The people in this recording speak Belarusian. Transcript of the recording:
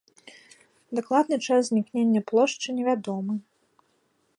Дакладны час узнікнення плошчы невядомы.